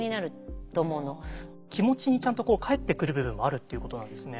気持ちにちゃんとこう返ってくる部分もあるっていうことなんですね。